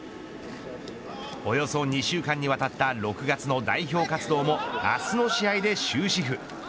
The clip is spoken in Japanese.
およそ２週間にわたった６月の代表活動も明日の試合で終止符。